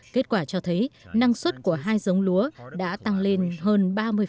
kết quả cho thấy năng suất của hai giống lúa đã tăng lên hơn ba mươi